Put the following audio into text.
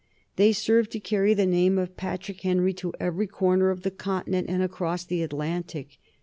They served to carry the name of Patrick Henry to every corner of the continent and across the Atlantic.